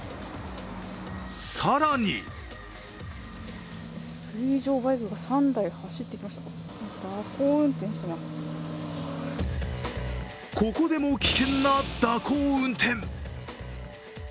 更にここでも危険な蛇行運転。